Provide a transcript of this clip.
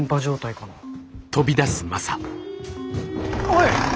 おい。